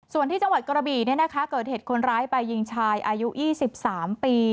ส่วนที่จังหวัดกระบี่เกิดเหตุคนร้ายไปยิงชายอายุ๒๓ปี